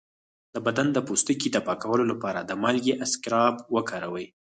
د بدن د پوستکي د پاکولو لپاره د مالګې اسکراب وکاروئ